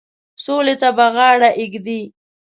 سولي ته به غاړه ایږدي.